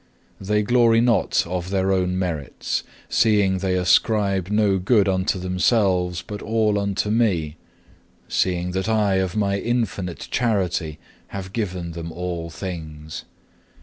They glory not of their own merits, seeing they ascribe no good unto themselves, but all unto Me, seeing that I of my infinite charity have given them all things.